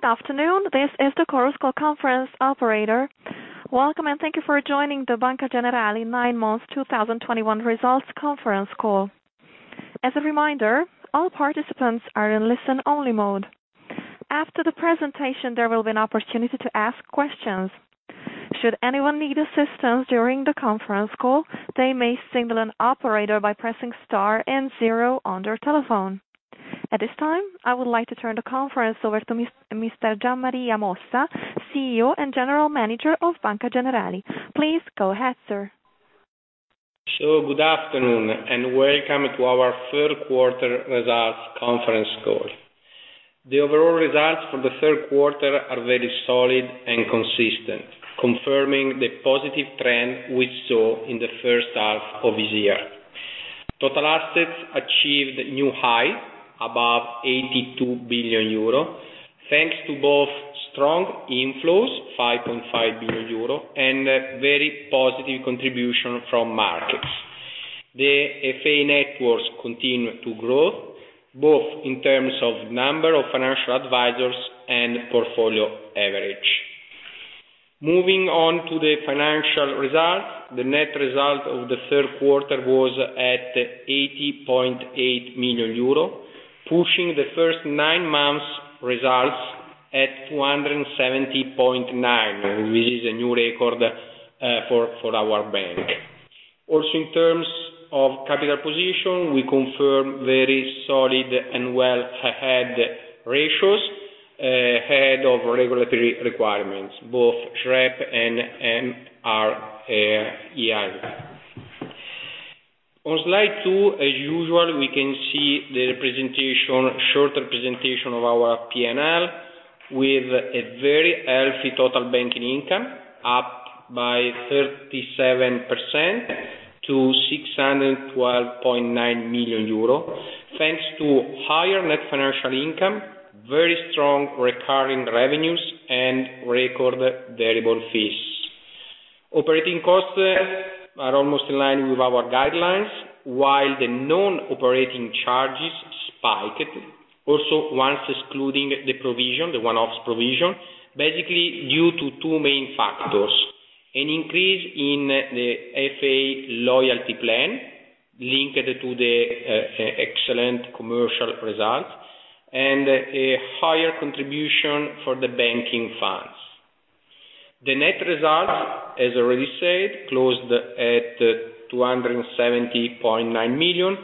Good afternoon, this is the Chorus Call conference operator. Welcome, and thank you for joining the Banca Generali nine months 2021 results conference call. As a reminder, all participants are in listen-only mode. After the presentation, there will be an opportunity to ask questions. Should anyone need assistance during the conference call, they may signal an operator by pressing star and zero on their telephone. At this time, I would like to turn the conference over to Mr. Gian Maria Mossa, CEO and General Manager of Banca Generali. Please go ahead, sir. Good afternoon, and welcome to our third quarter results conference call. The overall results for the third quarter are very solid and consistent, confirming the positive trend we saw in the first half of this year. Total assets achieved new high, above 82 billion euro, thanks to both strong inflows, 5.5 billion euro, and a very positive contribution from markets. The FA networks continue to grow, both in terms of number of financial advisors and portfolio average. Moving on to the financial results. The net result of the third quarter was at 80.8 million euro, pushing the first nine months results at 270.9 million, which is a new record for our bank. Also, in terms of capital position, we confirm very solid and well ahead ratios ahead of regulatory requirements, both SREP and MREL. On slide two, as usual, we can see the representation, short representation of our P&L with a very healthy total banking income, up by 37% to 612.9 million euro, thanks to higher net financial income, very strong recurring revenues, and record variable fees. Operating costs are almost in line with our guidelines, while the non-operating charges spiked. Also, once excluding the provision, the one-off provision, basically due to two main factors. An increase in the FA loyalty plan linked to the excellent commercial results, and a higher contribution for the banking funds. The net results, as I already said, closed at 270.9 million,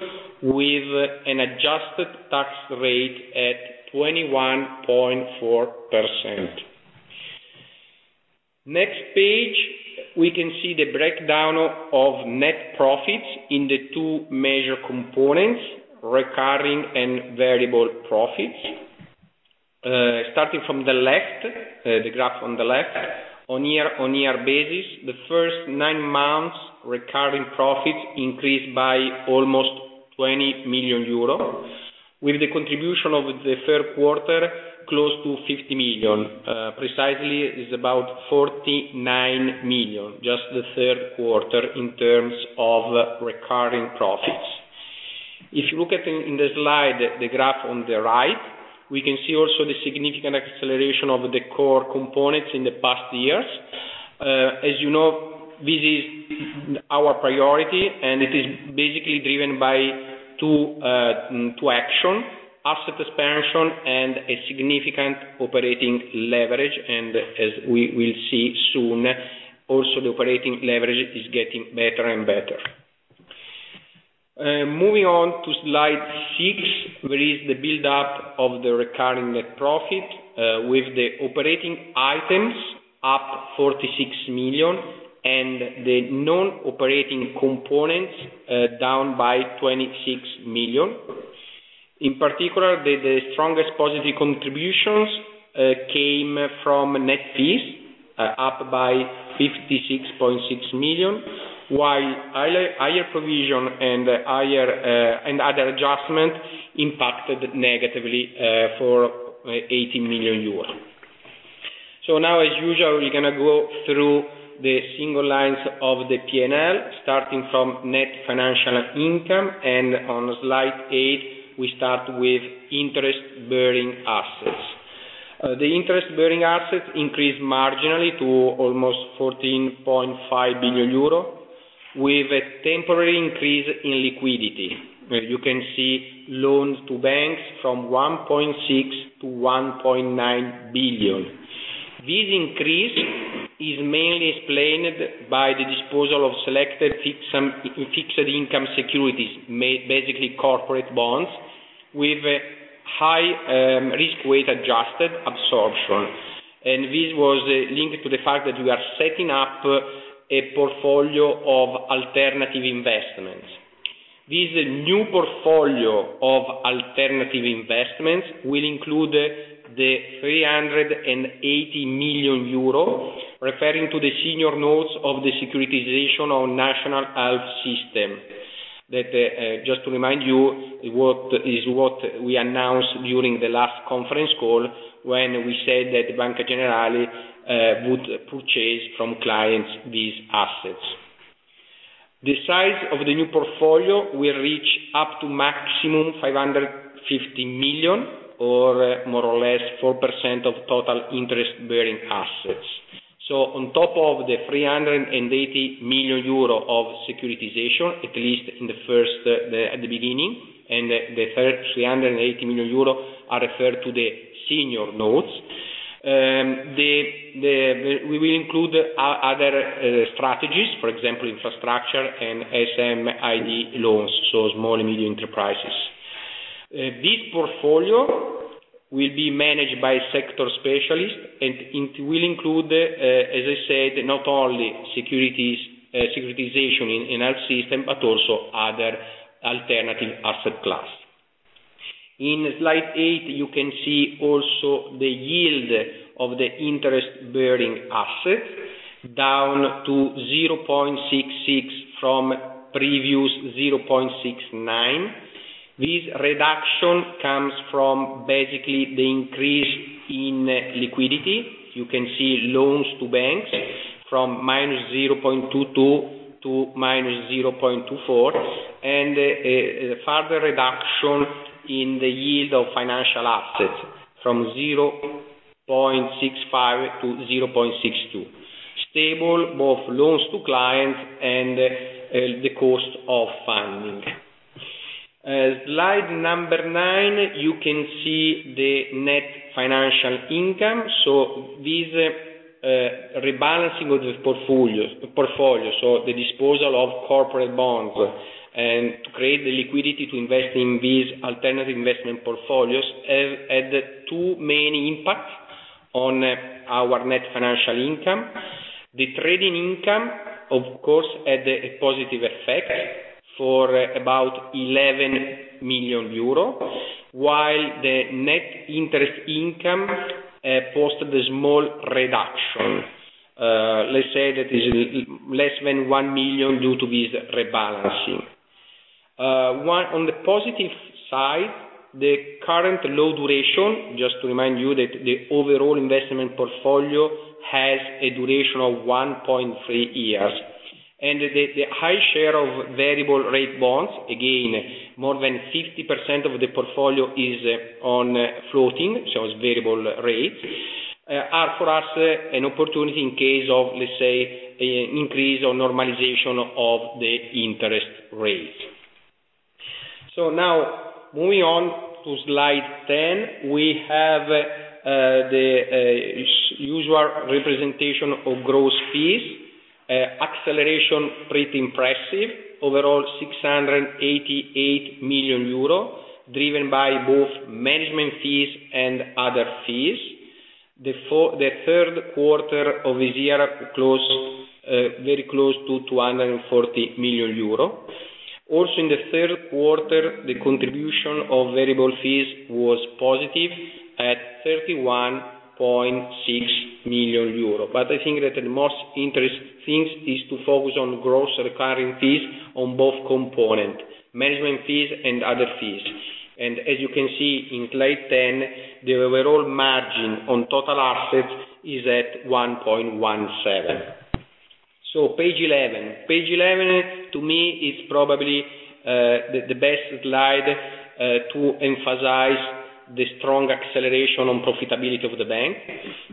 with an adjusted tax rate at 21.4%. Next page, we can see the breakdown of net profits in the two major components, recurring and variable profits. Starting from the left, the graph on the left, year-on-year basis, the first nine months recurring profits increased by almost 20 million euros, with the contribution of the third quarter close to 50 million. Precisely it's about 49 million, just the third quarter in terms of recurring profits. If you look at the slide, the graph on the right, we can see also the significant acceleration of the core components in the past years. As you know, this is our priority, and it is basically driven by two actions: asset expansion and a significant operating leverage. As we will see soon, also the operating leverage is getting better and better. Moving on to slide six, there is the build-up of the recurring net profit, with the operating items up 46 million and the non-operating components down by 26 million. In particular, the strongest positive contributions came from net fees, up by 56.6 million, while higher provisions and other adjustments impacted negatively for 80 million euros. Now, as usual, we're gonna go through the single lines of the P&L, starting from net financial income. On slide eight, we start with interest-bearing assets. The interest-bearing assets increased marginally to almost 14.5 billion euro, with a temporary increase in liquidity. You can see loans to banks from 1.6 billion-1.9 billion. This increase is mainly explained by the disposal of selected fixed income securities, basically corporate bonds, with a high risk weight adjusted absorption. This was linked to the fact that we are setting up a portfolio of alternative investments. This new portfolio of alternative investments will include the 380 million euro, referring to the senior notes of the securitization on national health system. That just to remind you is what we announced during the last conference call when we said that Banca Generali would purchase from clients these assets. The size of the new portfolio will reach up to maximum 550 million, or more or less 4% of total interest-bearing assets. On top of the 380 million euro of securitization, at least at the beginning, the first 380 million euro are referred to the senior notes. We will include other strategies, for example, infrastructure and SME loans, so small and medium enterprises. This portfolio will be managed by sector specialists, and it will include, as I said, not only securities, securitization in our system, but also other alternative asset class. In slide eight, you can see also the yield of the interest-bearing assets, down to 0.66% from previous 0.69%. This reduction comes from basically the increase in liquidity. You can see loans to banks from -0.22% to -0.24%, and a further reduction in the yield of financial assets from 0.65% to 0.62%. Stable both loans to clients and the cost of funding. Slide nine, you can see the net financial income. This rebalancing of the portfolios, so the disposal of corporate bonds and to create the liquidity to invest in these alternative investment portfolios have had two main impact on our net financial income. The trading income, of course, had a positive effect for about 11 million euro, while the net interest income posted a small reduction. Let's say that is less than 1 million due to this rebalancing. One. On the positive side, the current low duration, just to remind you that the overall investment portfolio has a duration of 1.3 years. The high share of variable rate bonds, again, more than 50% of the portfolio is on floating, so it's variable rates, are for us an opportunity in case of, let's say, an increase or normalization of the interest rate. Now moving on to slide 10, we have the usual representation of gross fees. Acceleration pretty impressive. Overall 688 million euro, driven by both management fees and other fees. The third quarter of this year closed very close to 240 million euro. Also, in the third quarter, the contribution of variable fees was positive at 31.6 million euro. I think that the most interesting thing is to focus on gross recurring fees on both components, management fees and other fees. As you can see in slide 10, the overall margin on total assets is at 1.17%. Page 11, to me, is probably the best slide to emphasize the strong acceleration on profitability of the bank.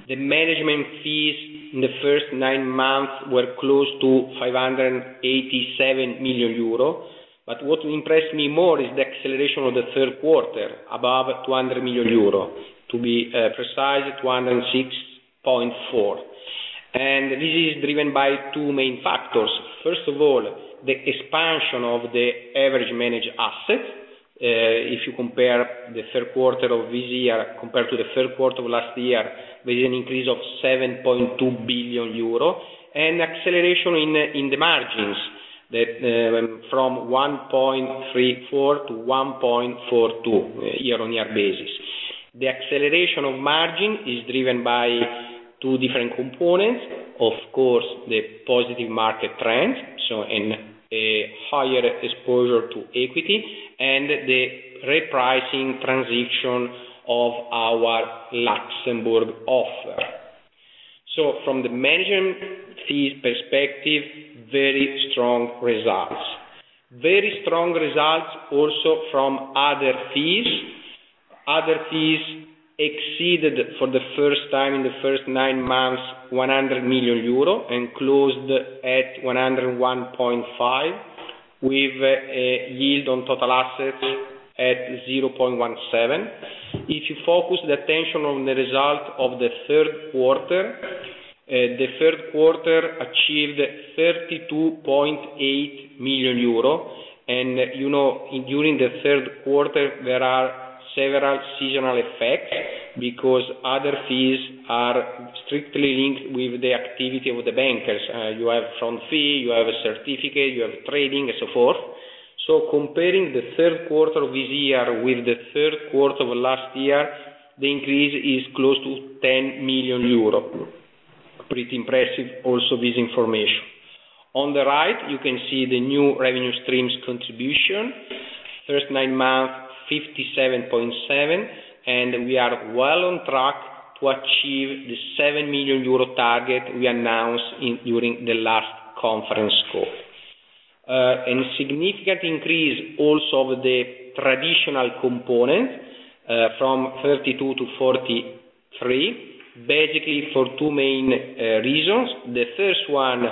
The management fees in the first nine months were close to 587 million euro. What impressed me more is the acceleration of the third quarter, above 200 million euro. To be precise, 206.4 million. This is driven by two main factors. First of all, the expansion of the average managed assets. If you compare the third quarter of this year compared to the third quarter of last year, there's an increase of 7.2 billion euro and acceleration in the margins that went from 1.34% to 1.42% year-on-year basis. The acceleration of margin is driven by two different components. Of course, the positive market trends, so in a higher exposure to equity and the repricing transition of our Luxembourg offer. From the management fees perspective, very strong results. Very strong results also from other fees. Other fees exceeded for the first time in the first nine months, 100 million euro and closed at 101.5 million, with a yield on total assets at 0.17%. If you focus the attention on the result of the third quarter, the third quarter achieved 32.8 million euro. You know, during the third quarter, there are several seasonal effects because other fees are strictly linked with the activity with the bankers. You have front fee, you have a certificate, you have trading and so forth. Comparing the third quarter of this year with the third quarter of last year, the increase is close to 10 million euros. Pretty impressive also this information. On the right, you can see the new revenue streams contribution. First nine months, 57.7 million, and we are well on track to achieve the 7 million euro target we announced during the last conference call. Significant increase also of the traditional component, from 32 million to 43 million. Basically for two main reasons. The first one,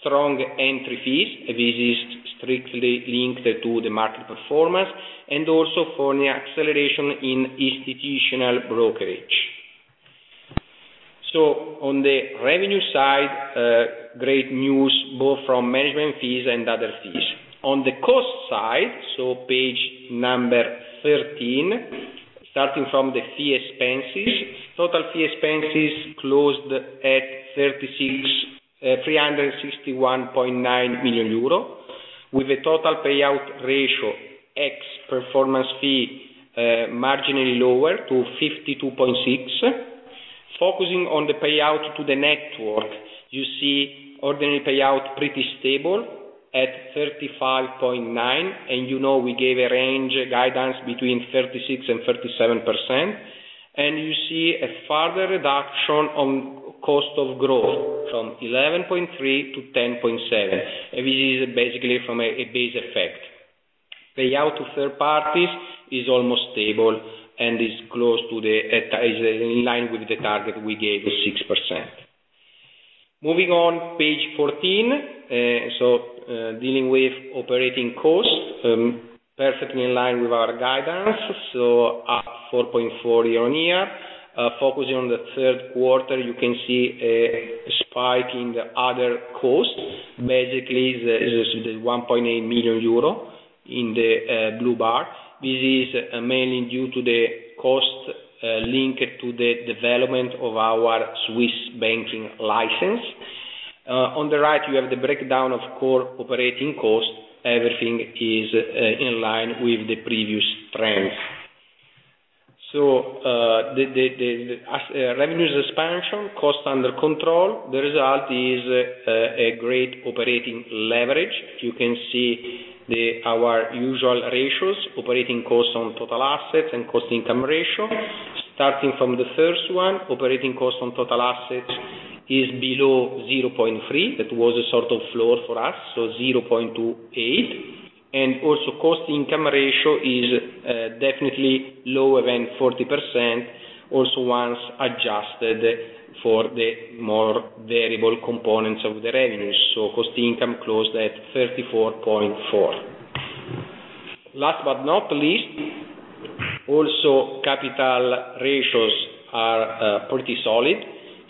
strong entry fees. This is strictly linked to the market performance, and also for the acceleration in institutional brokerage. On the revenue side, great news both from management fees and other fees. On the cost side, page 13, starting from the fee expenses. Total fee expenses closed at 361.9 million euro, with a total payout ratio, ex performance fee, marginally lower to 52.6. Focusing on the payout to the network, you see ordinary payout pretty stable at 35.9. You know we gave a range guidance between 36% and 37%. You see a further reduction on cost of growth from 11.3% to 10.7%. This is basically from a base effect. Payout to third parties is almost stable and is in line with the target we gave, the 6%. Moving on, page 14. Dealing with operating costs, perfectly in line with our guidance, so up 4.4% year-on-year. Focusing on the third quarter, you can see a spike in the other costs. Basically, the 1.8 million euro in the blue bar. This is mainly due to the cost linked to the development of our Swiss banking license. On the right you have the breakdown of core operating costs. Everything is in line with the previous trends. As revenues expansion, costs under control. The result is a great operating leverage. You can see our usual ratios, operating costs on total assets and cost income ratio. Starting from the first one, operating cost on total assets is below 0.3. That was a sort of floor for us, 0.28. Also cost income ratio is definitely lower than 40%. Also once adjusted for the more variable components of the revenues, cost income closed at 34.4%. Last but not least, capital ratios are pretty solid.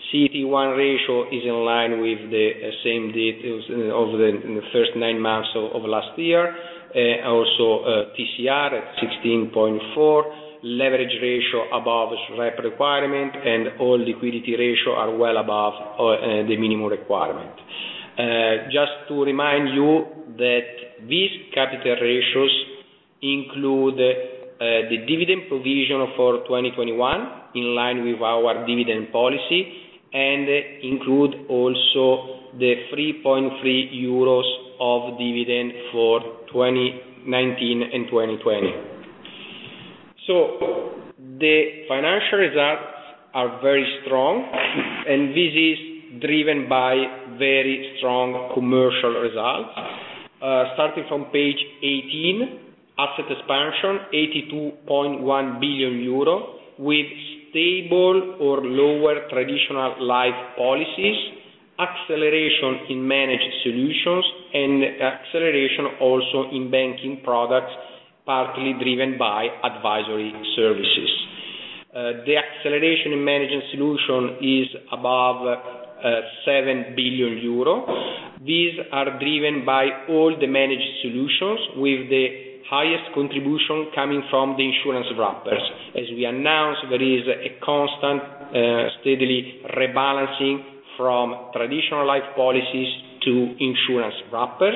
CET1 ratio is in line with the same date as of the first nine months of last year. TCR at 16.4. Leverage ratio above SREP requirement, and all liquidity ratios are well above the minimum requirement. Just to remind you that these capital ratios include the dividend provision for 2021, in line with our dividend policy, and include also the 3.3 euros of dividend for 2019 and 2020. The financial results are very strong, and this is driven by very strong commercial results. Starting from page 18, asset expansion 82.1 billion euro, with stable or lower traditional life policies, acceleration in managed solutions, and acceleration also in banking products, partly driven by advisory services. The acceleration in managed solution is above 7 billion euro. These are driven by all the managed solutions, with the highest contribution coming from the insurance wrappers. As we announced, there is a constant steadily rebalancing from traditional life policies to insurance wrappers,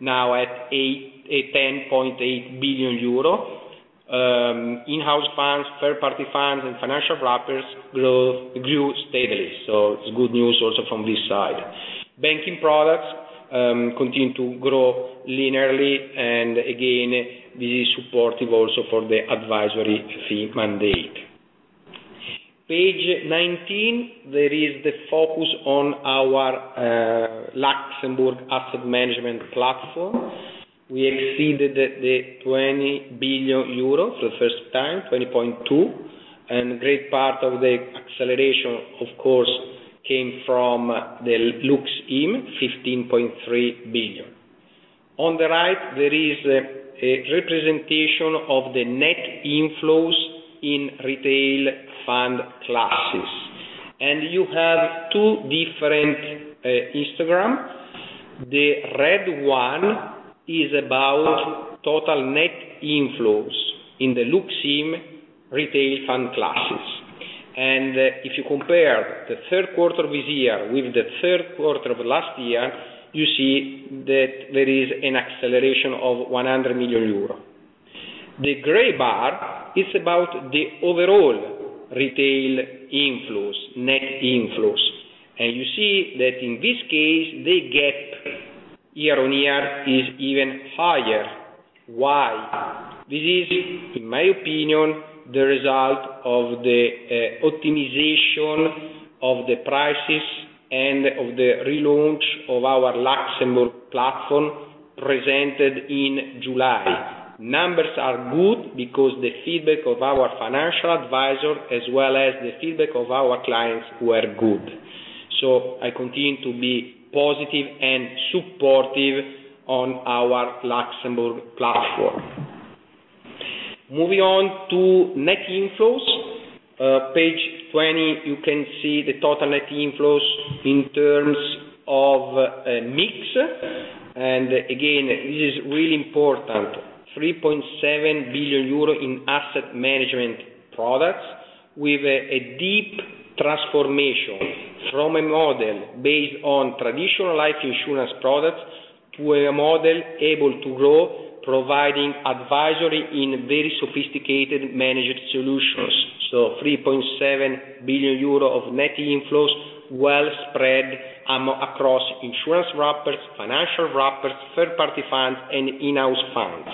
now at 8.10 billion euro. In-house funds, third party funds, and financial wrappers growth grew steadily. It's good news also from this side. Banking products continue to grow linearly, and again, this is supportive also for the advisory fee mandate. Page 19, there is the focus on our Luxembourg asset management platform. We exceeded 20 billion euros for the first time, 20.2 billion, and great part of the acceleration, of course, came from the LUX IM, 15.3 billion. On the right there is a representation of the net inflows in retail fund classes. You have two different histograms. The red one is about total net inflows in the LUX IM retail fund classes. If you compare the third quarter of this year with the third quarter of last year, you see that there is an acceleration of 100 million euro. The gray bar is about the overall retail inflows, net inflows. You see that in this case the gap year-on-year is even higher. Why? This is, in my opinion, the result of the optimization of the prices and of the relaunch of our Luxembourg platform presented in July. Numbers are good because the feedback of our financial advisor, as well as the feedback of our clients were good. I continue to be positive and supportive on our Luxembourg platform. Moving on to net inflows. Page 20, you can see the total net inflows in terms of a mix. This is really important, 3.7 billion euro in asset management products with a deep transformation from a model based on traditional life insurance products to a model able to grow, providing advisory in very sophisticated managed solutions. 3.7 billion euro of net inflows, well spread across insurance wrappers, financial wrappers, third party funds, and in-house funds.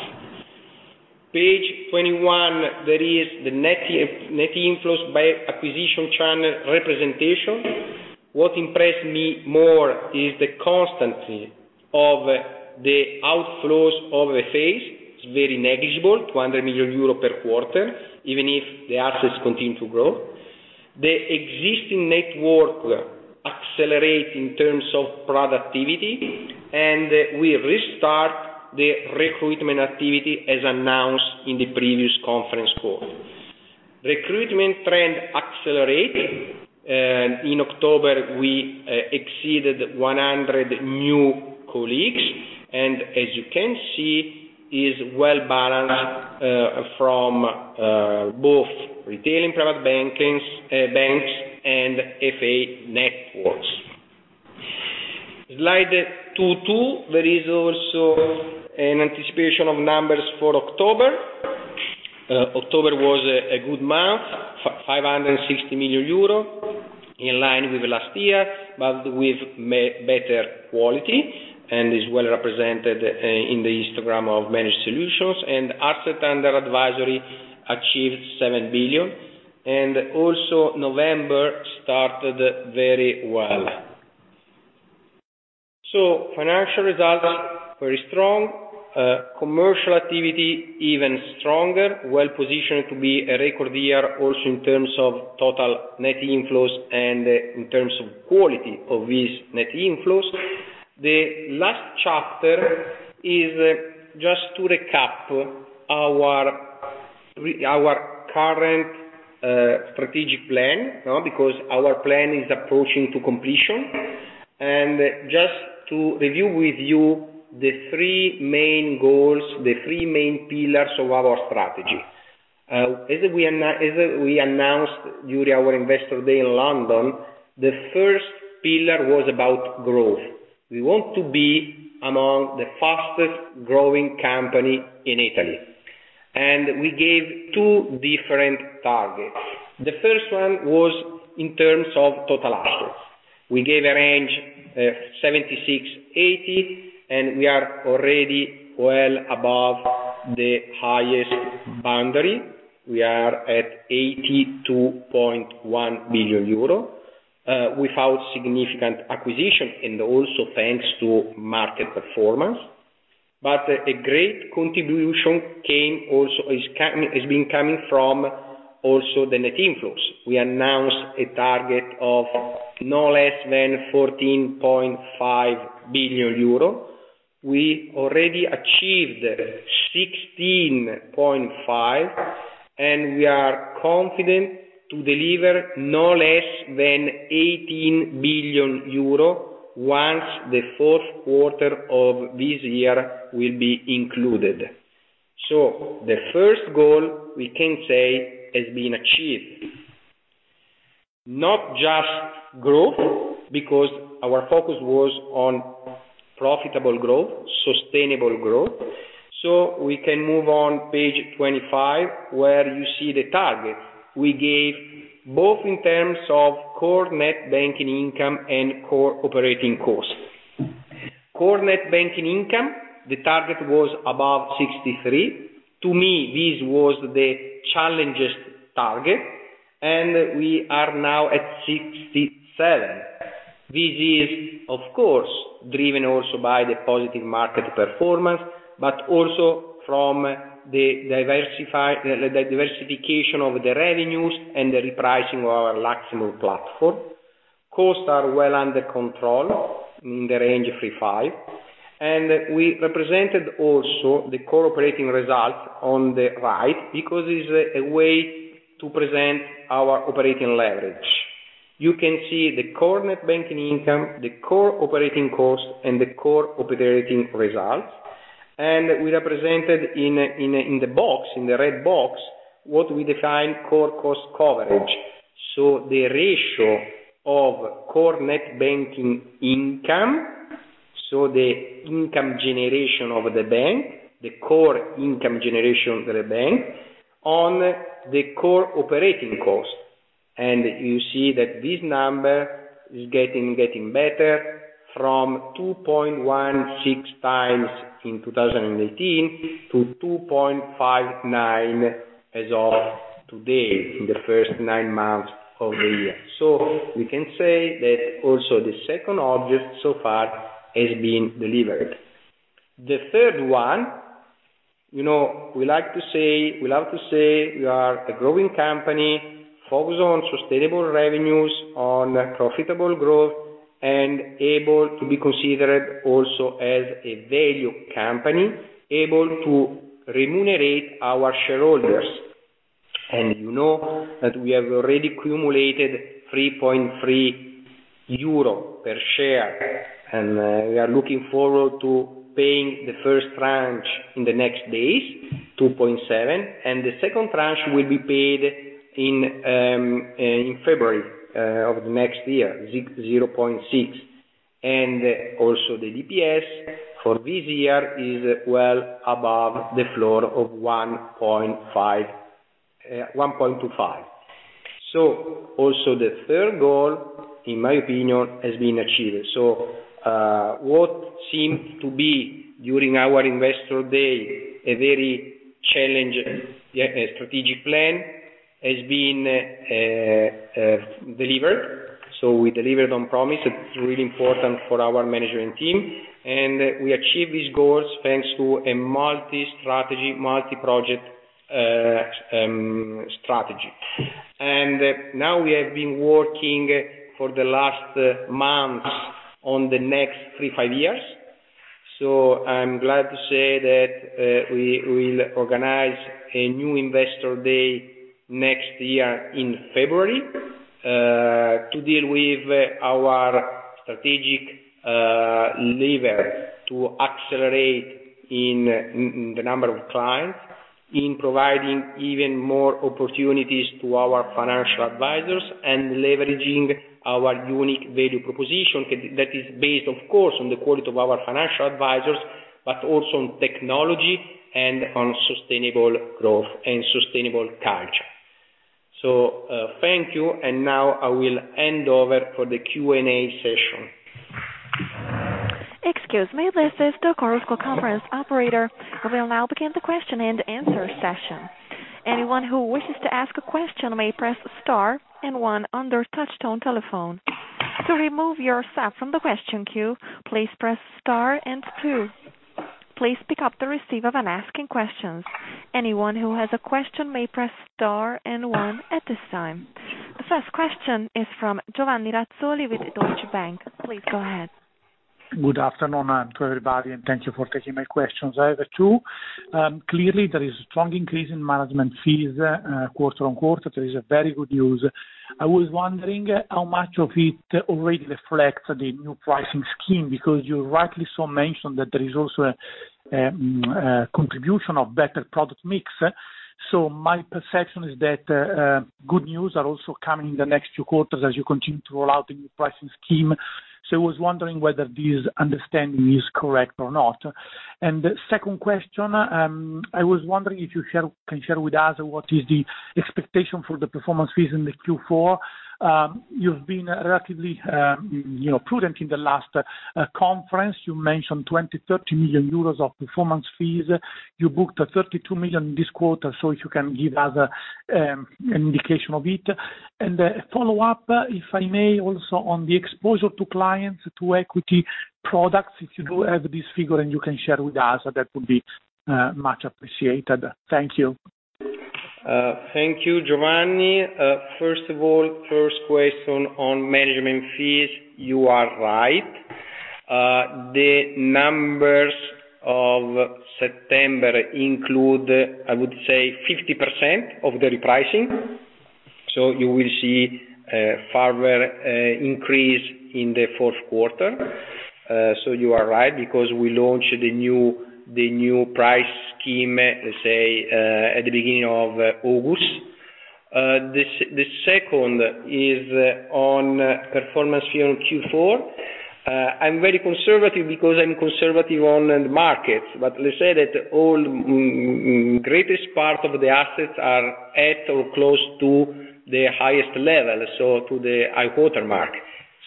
Page 21, there is the net inflows by acquisition channel representation. What impressed me more is the constancy of the outflows over phase. It's very negligible, 200 million euro per quarter, even if the assets continue to grow. The existing network accelerate in terms of productivity, and we restart the recruitment activity as announced in the previous conference call. Recruitment trend accelerate. In October, we exceeded 100 new colleagues, and as you can see, is well balanced from both retail and private bankings, banks and FA networks. Slide 22, there is also an anticipation of numbers for October. October was a good month, 560 million euro, in line with last year, but with better quality, and is well represented in the histogram of managed solutions. Asset under advisory achieved 7 billion. November started very well. Financial results, very strong. Commercial activity, even stronger. Well-positioned to be a record year also in terms of total net inflows and in terms of quality of these net inflows. The last chapter is just to recap our current strategic plan. Because our plan is approaching to completion. Just to review with you the three main goals, the three main pillars of our strategy. As we announced during our investor day in London, the first pillar was about growth. We want to be among the fastest growing company in Italy. We gave two different targets. The first one was in terms of total assets. We gave a range of 76 billion-80 billion, and we are already well above the highest boundary. We are at 82.1 billion euro without significant acquisition and also thanks to market performance. A great contribution has been coming from also the net inflows. We announced a target of no less than 14.5 billion euro. We already achieved 16.5, and we are confident to deliver no less than 18 billion euro once the fourth quarter of this year will be included. The first goal, we can say, has been achieved. Not just growth, because our focus was on profitable growth, sustainable growth. We can move on page 25, where you see the targets we gave, both in terms of core net banking income and core operating costs. Core net banking income, the target was above 63. To me, this was the challenging target, and we are now at 67. This is, of course, driven also by the positive market performance, but also from the diversification of the revenues and the repricing of our Luxembourg platform. Costs are well under control, in the range of 35. We represented also the core operating results on the right because it's a way to present our operating leverage. You can see the core net banking income, the core operating cost, and the core operating results. We represented in the box, in the red box, what we define core cost coverage. The ratio of core net banking income, so the income generation of the bank, the core income generation of the bank, on the core operating cost. You see that this number is getting better from 2.16x in 2018 to 2.59 as of today, in the first nine months of the year. We can say that also the second objective so far has been delivered. The third one, you know, we like to say, we love to say we are a growing company focused on sustainable revenues, on profitable growth, and able to be considered also as a value company, able to remunerate our shareholders. You know that we have already accumulated 3.3 euro per share, and we are looking forward to paying the first tranche in the next days, 2.7. The second tranche will be paid in February of the next year, 0.6. Also the DPS for this year is well above the floor of 1.5, 1.25. Also the third goal, in my opinion, has been achieved. What seemed to be during our investor day, a very challenging strategic plan has been delivered. We delivered on promise. It's really important for our management team. We achieved these goals thanks to a multi-strategy, multi-project strategy. Now we have been working for the last month on the next three, five years. I'm glad to say that we will organize a new investor day next year in February to deal with our strategic levers to accelerate in the number of clients, in providing even more opportunities to our financial advisors, and leveraging our unique value proposition that is based, of course, on the quality of our financial advisors, but also on technology and on sustainable growth and sustainable culture. Thank you. Now I will hand over for the Q&A session. Excuse me. This is the Chorus Call conference operator. We will now begin the question and answer session. Anyone who wishes to ask a question may press star and one on their touchtone telephone. To remove yourself from the question queue, please press star and two. Please pick up the receiver when asking questions. Anyone who has a question may press star and one at this time. The first question is from Giovanni Razzoli with Deutsche Bank. Please go ahead. Good afternoon to everybody, and thank you for taking my questions. I have two. Clearly there is a strong increase in management fees quarter-on-quarter. There is a very good news. I was wondering how much of it already reflects the new pricing scheme because you rightly so mentioned that there is also a contribution of better product mix. My perception is that good news are also coming in the next two quarters as you continue to roll out the new pricing scheme. I was wondering whether this understanding is correct or not. Second question, I was wondering if you can share with us what is the expectation for the performance fees in the Q4. You've been relatively you know prudent in the last conference. You mentioned 20 million- 30 million euros of performance fees. You booked 32 million this quarter. If you can give us an indication of it. A follow-up, if I may, also on the exposure to clients to equity products. If you do have this figure and you can share with us, that would be much appreciated. Thank you. Thank you, Giovanni. First of all, first question on management fees, you are right. The numbers of September include, I would say, 50% of the repricing. You will see further increase in the fourth quarter. You are right, because we launched the new price scheme, let's say, at the beginning of August. The second is on performance fee on Q4. I'm very conservative because I'm conservative on end markets. Let's say that all, greatest part of the assets are at or close to the highest level, so to the high watermark.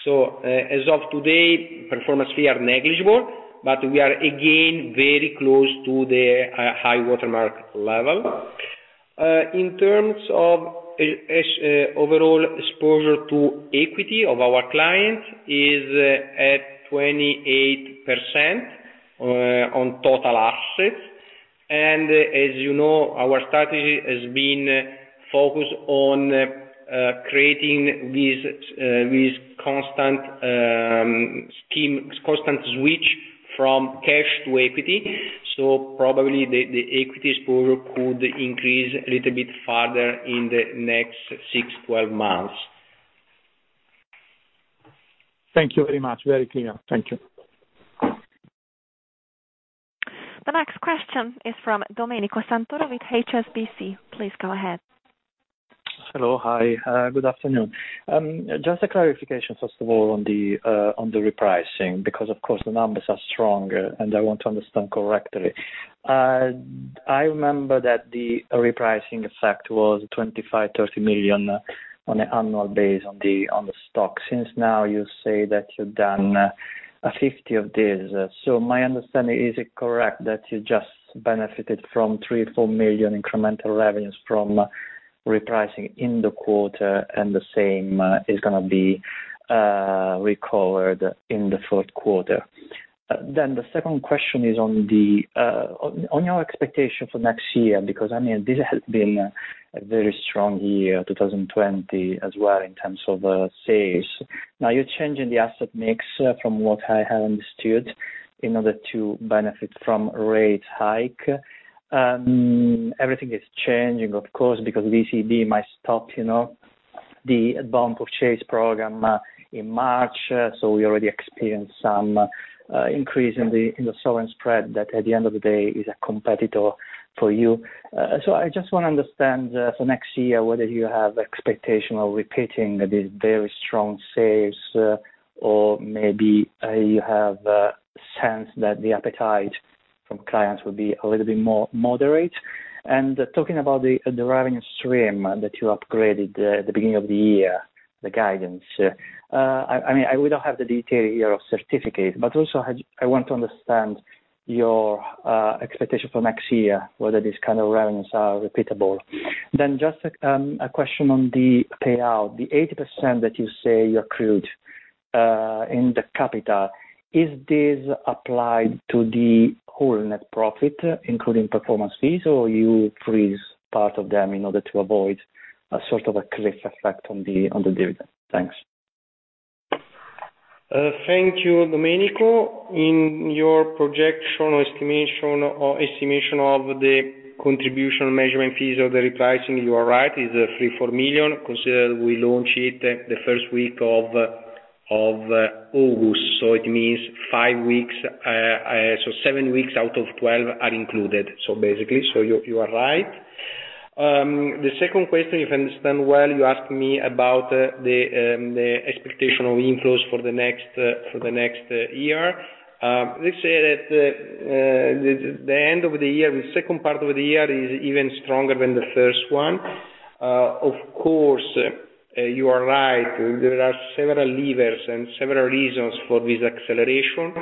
As of today, performance fee are negligible, but we are again very close to the high watermark level. In terms of overall exposure to equity of our clients is at 28% on total assets. As you know, our strategy has been focused on creating this constant switch from cash to equity. Probably the equity exposure could increase a little bit further in the next six, 12 months. Thank you very much. Very clear. Thank you. The next question is from Domenico Santoro with HSBC. Please go ahead. Hello. Hi. Good afternoon. Just a clarification, first of all, on the repricing, because of course the numbers are strong, and I want to understand correctly. I remember that the repricing effect was 25 million- 30 million on an annual basis on the stock. Since now you say that you've done 50 of these. My understanding, is it correct that you just benefited from 3 million- 4 million incremental revenues from repricing in the quarter and the same is gonna be recovered in the fourth quarter? The second question is on your expectation for next year, because, I mean, this has been a very strong year, 2020, as well, in terms of sales. Now, you're changing the asset mix from what I have understood in order to benefit from rate hike. Everything is changing, of course, because ECB might stop, you know, the PEPP in March. We already experienced some increase in the sovereign spread that at the end of the day is a competitor for you. I just wanna understand for next year whether you have expectation of repeating these very strong sales or maybe you have sense that the appetite from clients will be a little bit more moderate. Talking about the recurring stream that you upgraded the beginning of the year, the guidance. I mean, we don't have the detail here of certificates, but also I want to understand your expectation for next year whether these kind of revenues are repeatable. Just a question on the payout. The 80% that you say you accrued in the capital, is this applied to the whole net profit, including performance fees, or you freeze part of them in order to avoid a sort of a cliff effect on the dividend? Thanks. Thank you, Domenico. In your projection or estimation of the contribution from management fees of the repricing, you are right. It's 3 million-4 million, considering we launch it the first week of August. It means five weeks. Seven weeks out of 12 are included, so basically. You are right. The second question, if I understand well, you asked me about the expected inflows for the next year. Let's say that the end of the year, the second part of the year is even stronger than the first one. Of course, you are right. There are several levers and several reasons for this acceleration.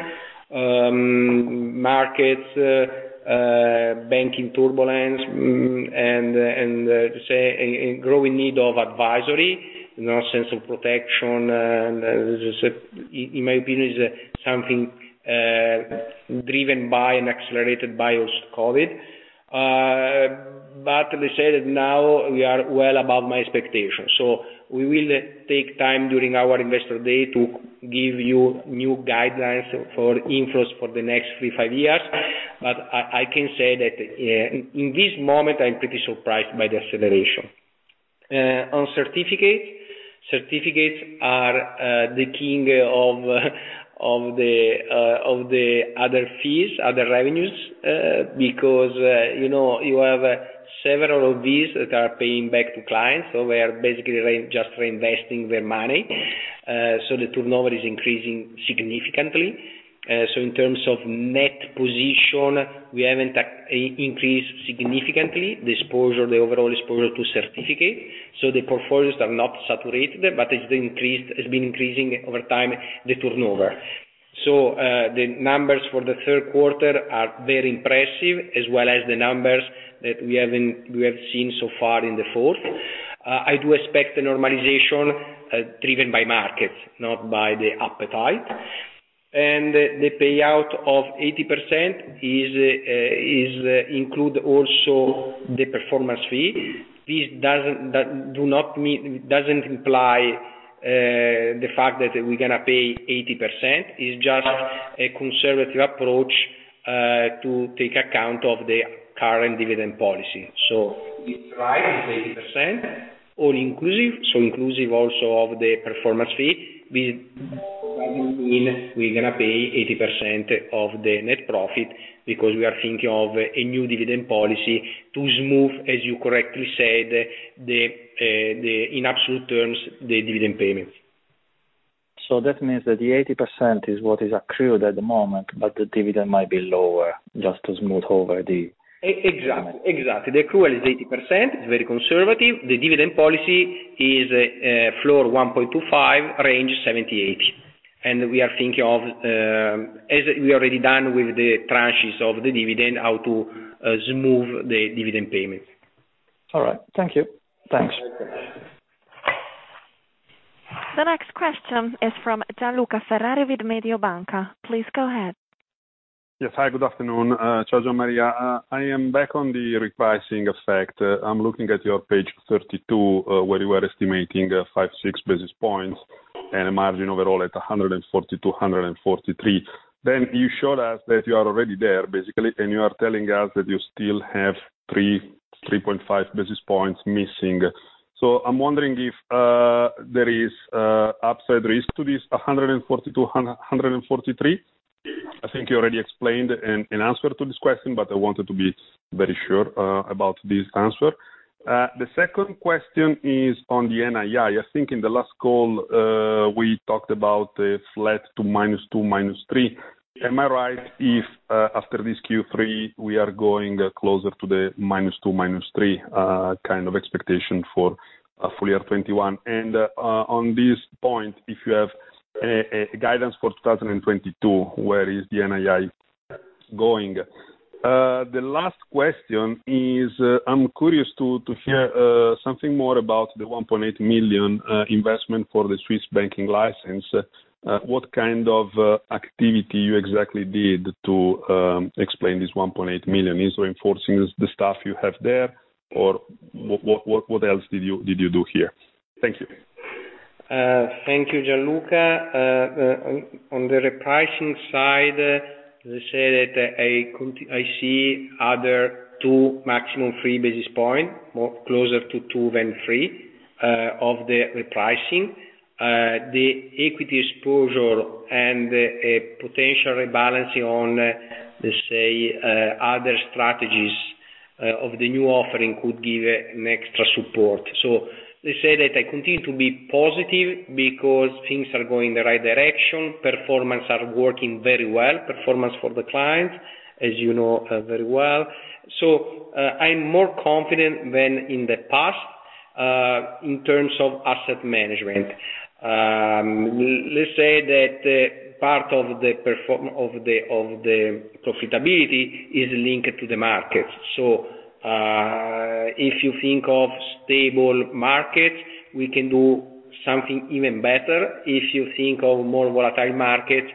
Market banking turbulence and a growing need for advisory, you know, sense of protection. This is in my opinion something driven by and accelerated by also COVID. Let's say that now we are well above my expectations. We will take time during our investor day to give you new guidelines for inflows for the next three, five years. I can say that in this moment, I'm pretty surprised by the acceleration on certificates. Certificates are the king of the other fees, other revenues, because you know you have several of these that are paying back to clients, so we are basically just reinvesting their money. The turnover is increasing significantly. In terms of net position, we haven't increased significantly the exposure, the overall exposure to certificate. The portfolios are not saturated, but it's been increasing over time, the turnover. The numbers for the third quarter are very impressive, as well as the numbers that we have seen so far in the fourth. I do expect the normalization driven by markets, not by the appetite. The payout of 80% includes also the performance fee. This doesn't imply the fact that we're gonna pay 80%. It's just a conservative approach to take account of the current dividend policy. It's right, it's 80%, all inclusive, so inclusive also of the performance fee. That doesn't mean we're gonna pay 80% of the net profit because we are thinking of a new dividend policy to smooth, as you correctly said, the in absolute terms, the dividend payments. That means that the 80% is what is accrued at the moment, but the dividend might be lower just to smooth over the. Exactly. The accrual is 80%. It's very conservative. The dividend policy is floor 1.25, range 70%-80%. We are thinking of, as we already done with the tranches of the dividend, how to smooth the dividend payment. All right. Thank you. Thanks. Thanks. The next question is from Gianluca Ferrari with Mediobanca. Please go ahead. Yes. Hi, good afternoon. Ciao, Gianluca. I am back on the repricing effect. I'm looking at your page 32, where you are estimating 5-6 basis points and a margin overall at 140-243. You showed us that you are already there, basically, and you are telling us that you still have 3.5 basis points missing. I'm wondering if there is upside risk to this 140-143. I think you already explained an answer to this question, but I wanted to be very sure about this answer. The second question is on the NII. I think in the last call, we talked about flat to -2%-3%. Am I right if, after this Q3, we are going closer to the -2%-3% kind of expectation for a full year 2021? On this point, if you have a guidance for 2022, where is the NII going? The last question is, I'm curious to hear something more about the 1.8 million investment for the Swiss banking license. What kind of activity you exactly did to explain this 1.8 million? Is reinforcing the staff you have there, or what else did you do here? Thank you. Thank you, Gianluca. On the repricing side, let's say that I see other two maximum three basis points, more closer to two than three, of the repricing. The equity exposure and a potential rebalancing on, let's say, other strategies of the new offering could give an extra support. Let's say that I continue to be positive because things are going the right direction. Performance are working very well. Performance for the client, as you know, very well. I'm more confident than in the past, in terms of asset management. Let's say that part of the performance of the profitability is linked to the market. If you think of stable market, we can do something even better. If you think of more volatile market,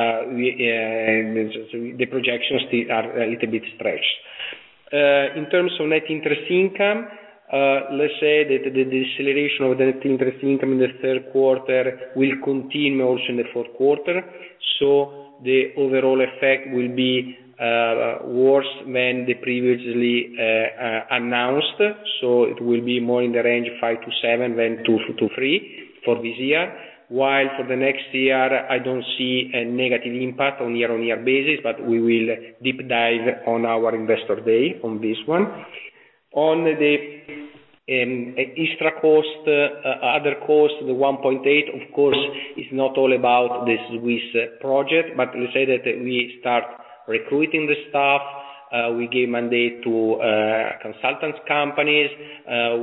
the projections still are a little bit stretched. In terms of net interest income, let's say that the deceleration of the net interest income in the third quarter will continue also in the fourth quarter. The overall effect will be worse than the previously announced. It will be more in the range of 5-7 than 2-3 for this year. While for the next year, I don't see a negative impact on year-on-year basis, but we will deep dive on our investor day on this one. On the extra cost, other cost, 1.8, of course, is not all about this Swiss project, but we say that we start recruiting the staff, we give mandate to consulting companies,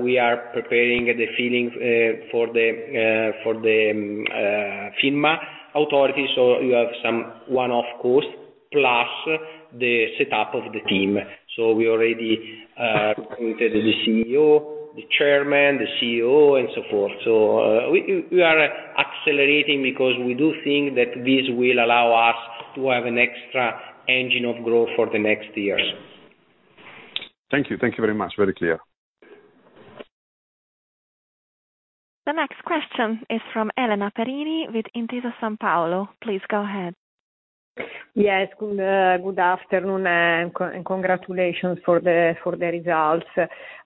we are preparing the filings for the FINMA, so you have some one-off cost plus the setup of the team. We already appointed the CEO, the chairman, the COO, and so forth. We are accelerating because we do think that this will allow us to have an extra engine of growth for the next years. Thank you. Thank you very much. Very clear. The next question is from Elena Perini with Intesa Sanpaolo. Please go ahead. Yes. Good afternoon, congratulations for the results.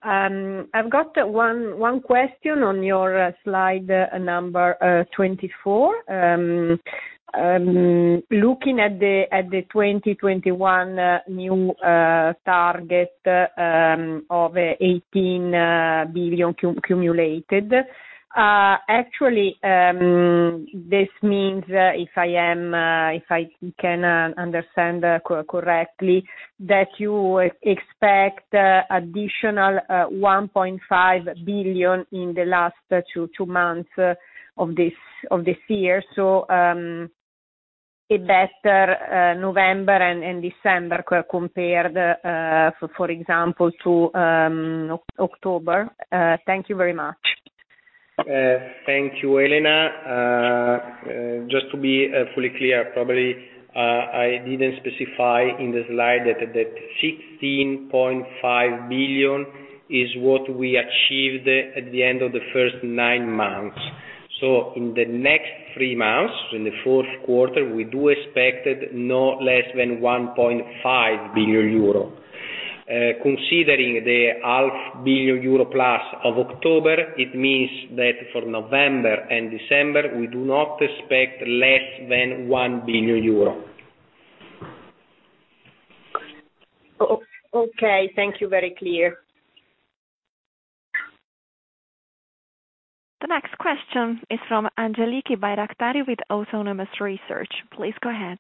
I've got one question on your slide number 24. Looking at the 2021 new target of EUR 18 billion cumulated. Actually, this means, if I can understand correctly, that you expect additional 1.5 billion in the last two months of this year. A better November and December compared, for example, to October. Thank you very much. Thank you, Elena. Just to be fully clear, probably I didn't specify in the slide that 16.5 billion is what we achieved at the end of the first nine months. In the next three months, in the fourth quarter, we do expect no less than 1.5 billion euro. Considering the half billion EUR plus of October, it means that for November and December, we do not expect less than 1 billion euro. Okay. Thank you. Very clear. The next question is from Angeliki Bairaktari with Autonomous Research. Please go ahead.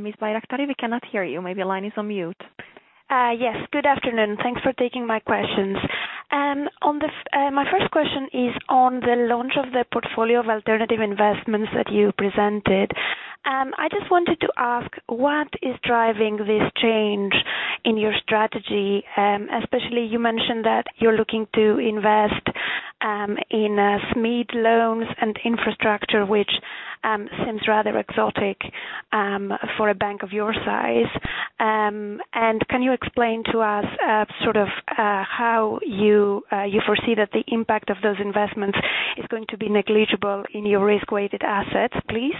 Ms. Bairaktari, we cannot hear you. Maybe your line is on mute. Yes. Good afternoon. Thanks for taking my questions. My first question is on the launch of the portfolio of alternative investments that you presented. I just wanted to ask, what is driving this change in your strategy? Especially you mentioned that you're looking to invest in SME loans and infrastructure, which seems rather exotic for a bank of your size. Can you explain to us sort of how you foresee that the impact of those investments is going to be negligible in your risk-weighted assets, please?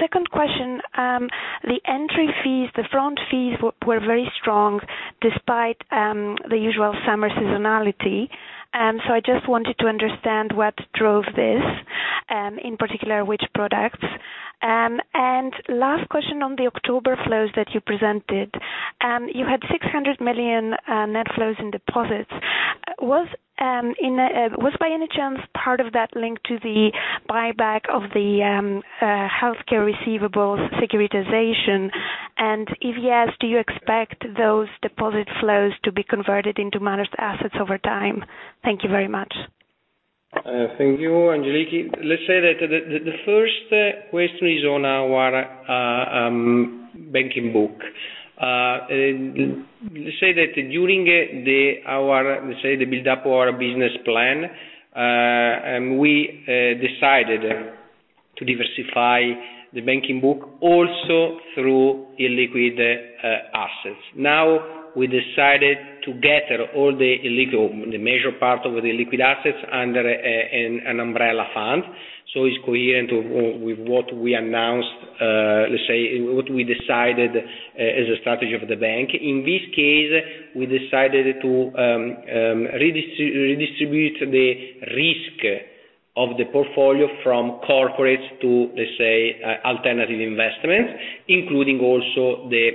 Second question, the entry fees, the front fees were very strong despite the usual summer seasonality. I just wanted to understand what drove this. In particular, which products. Last question on the October flows that you presented. You had 600 million net flows in deposits. Was by any chance part of that linked to the buyback of the healthcare receivables securitization? If yes, do you expect those deposit flows to be converted into managed assets over time? Thank you very much. Thank you, Angeliki. Let's say that the first question is on our banking book. Let's say that during the build-up of our business plan, we decided to diversify the banking book also through illiquid assets. Now, we decided to gather all the major part of the illiquid assets under an umbrella fund, so it's coherent with what we announced, let's say, what we decided as a strategy of the bank. In this case, we decided to redistribute the risk of the portfolio from corporates to, let's say, alternative investments, including also the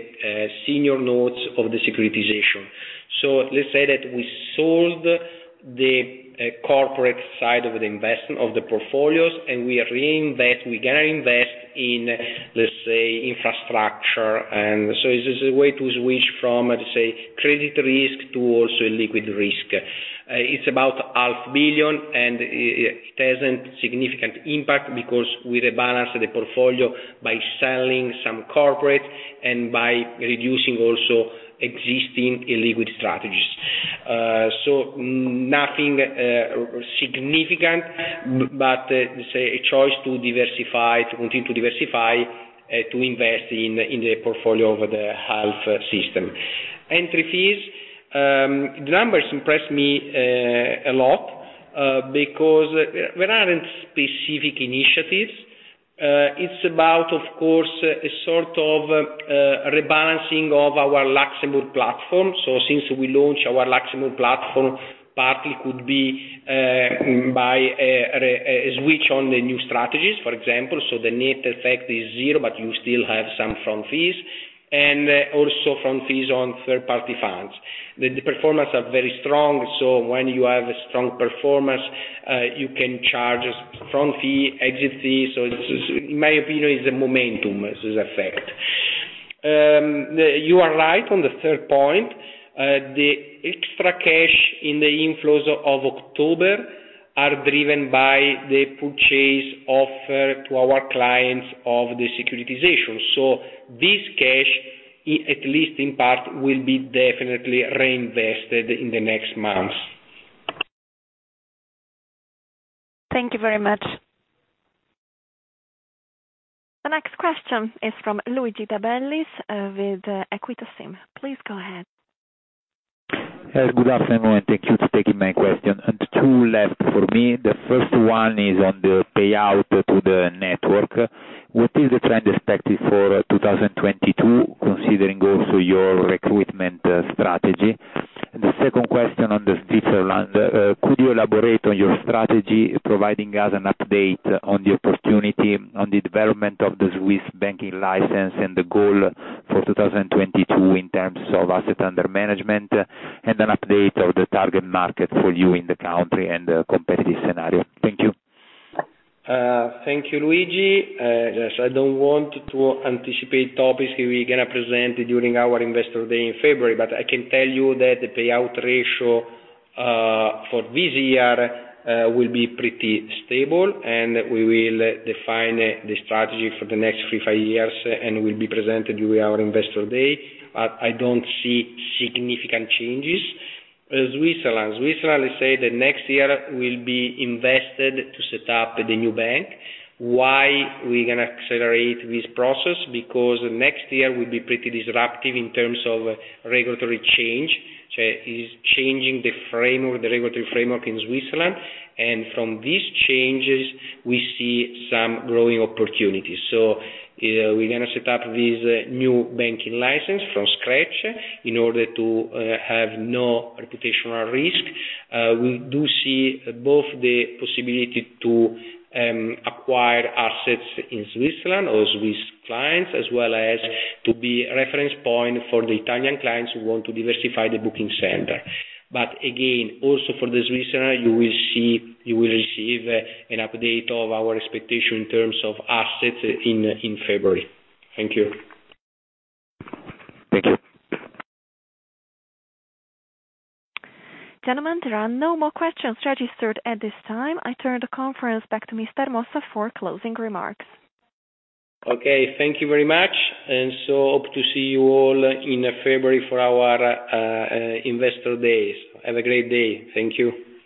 senior notes of the securitization. Let's say that we sold the corporate side of the investment of the portfolios, and we're going to invest in, let's say, infrastructure. This is a way to switch from, let's say, credit risk towards illiquid risk. It's about EUR half billion, and it hasn't significant impact because we rebalance the portfolio by selling some corporate and by reducing also existing illiquid strategies. Nothing significant but, let's say, a choice to diversify, to continue to diversify, to invest in the portfolio of the health system. Entry fees, the numbers impress me a lot, because there aren't specific initiatives. It's about, of course, a sort of rebalancing of our Luxembourg platform. Since we launched our Luxembourg platform, partly could be by a switch to the new strategies, for example. The net effect is zero, but you still have some front fees, and also front fees on third-party funds. The performance are very strong, so when you have a strong performance, you can charge front fee, exit fee. This is, in my opinion, a momentum effect. You are right on the third point. The extra cash in the inflows of October are driven by the purchase offer to our clients of the securitization. This cash, at least in part, will be definitely reinvested in the next months. Thank you very much. The next question is from Luigi De Bellis with Equita SIM. Please go ahead. Yes, good afternoon, and thank you for taking my question. Two left for me. The first one is on the payout to the network. What is the trend expected for 2022, considering also your recruitment strategy? The second question on Switzerland. Could you elaborate on your strategy, providing us an update on the opportunity, on the development of the Swiss banking license and the goal for 2022 in terms of assets under management, and an update of the target market for you in the country and the competitive scenario? Thank you. Thank you, Luigi. Yes. I don't want to anticipate topics we're gonna present during our investor day in February, but I can tell you that the payout ratio for this year will be pretty stable, and we will define the strategy for the next three, five years and will be presented during our investor day. I don't see significant changes. Switzerland, let's say the next year will be invested to set up the new bank. Why we're gonna accelerate this process? Because next year will be pretty disruptive in terms of regulatory change. It's changing the framework, the regulatory framework in Switzerland. From these changes, we see some growing opportunities. We're gonna set up this new banking license from scratch in order to have no reputational risk. We do see both the possibility to acquire assets in Switzerland or Swiss clients, as well as to be a reference point for the Italian clients who want to diversify the booking center. Again, also for this reason, you will receive an update of our expectation in terms of assets in February. Thank you. Thank you. Gentlemen, there are no more questions registered at this time. I turn the conference back to Mr. Mossa for closing remarks. Okay, thank you very much. I hope to see you all in February for our investor days. Have a great day. Thank you.